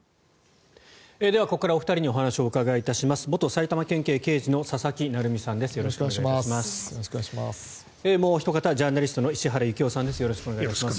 では、ここからお二人にお話を伺います。